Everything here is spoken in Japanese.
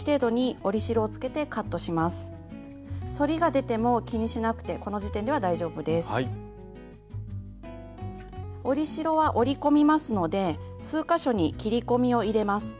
折り代は折り込みますので数か所に切り込みを入れます。